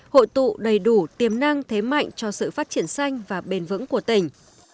hội tụ đầy đủ tiềm năng thế mạnh cho sự phát triển xanh và bền vững của tỉnh